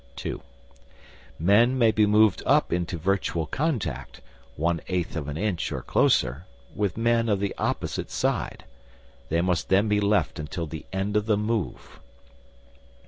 (2) Men may be moved up into virtual contact (one eighth of an inch or closer) with men of the opposite side. They must then be left until the end of the move.